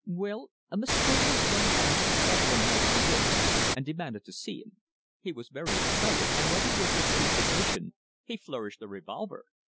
"Well, a mysterious young Frenchman called one night at the Ritz and demanded to see him. He was very excited, and when he was refused admission upstairs, he flourished a revolver.